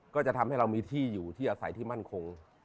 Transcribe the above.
ก็จะทำให้เรามีที่อยู่ที่อาศัยที่มั่นคง